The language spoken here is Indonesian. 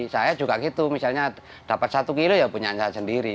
saya juga gitu misalnya dapat satu kilo ya punya saya sendiri